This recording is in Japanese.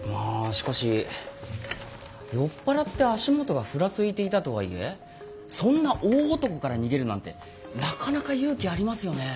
しかし酔っ払って足元がフラついていたとはいえそんな大男から逃げるなんてなかなか勇気ありますよね。